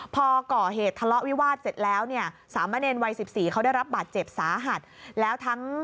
พอก่อเหตุทะเลาะวิวาสเสร็จแล้ว